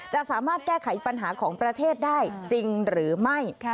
จะสามารถแก้ไขปัญหาของประเทศได้จริงหรือไม่